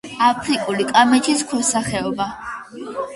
აფრიკული კამეჩის ქვესახეობა.